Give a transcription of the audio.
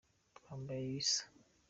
twambaye ibisa.